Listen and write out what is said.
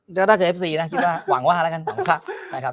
น่าจะเอฟซีนะหวังว่าแล้วกัน